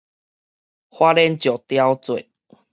花蓮石雕節